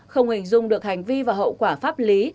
không hình dung được hành vi và hậu quả pháp lý